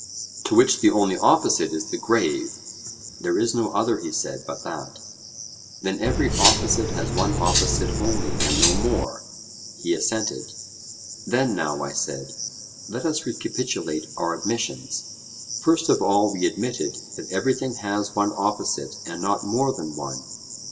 To which the only opposite is the grave? There is no other, he said, but that. Then every opposite has one opposite only and no more? He assented. Then now, I said, let us recapitulate our admissions. First of all we admitted that everything has one opposite and not more than one?